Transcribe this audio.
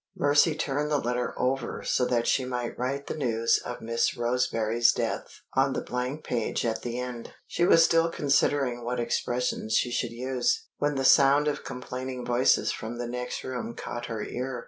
Mercy turned the letter over so that she might write the news of Miss Roseberry's death on the blank page at the end. She was still considering what expressions she should use, when the sound of complaining voices from the next room caught her ear.